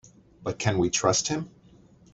But can we trust him?